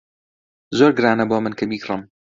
زۆر گرانە بۆ من کە بیکڕم.